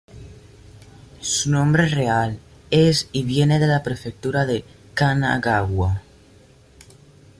Su nombre real es y viene de la prefectura de Kanagawa.